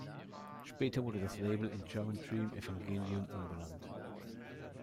Später wurde das Label in "German Dream Evangelium" umbenannt.